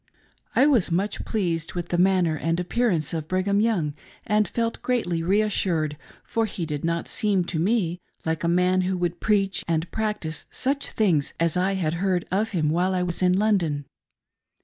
I was much pleased with the manner and appearance of 264 A LIFE POKTKAIT OF THE PROPHET. Brigham Young, and felt greatly re assured ; for he did not seem to me like a man who would preach and practice such things as I had heard of him while I was in London.